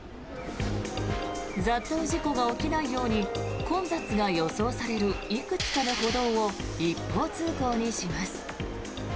雑踏事故が起きないように混雑が予想されるいくつかの歩道を一方通行にします。